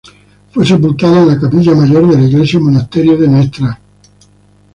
Fue sepultada en la capilla mayor de la iglesia-monasterio de Ntra.